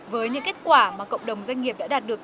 với những kết quả mà cộng đồng doanh nghiệp đã đạt được